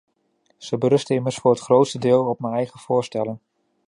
Ze berusten immers voor het grootste deel op mijn eigen voorstellen.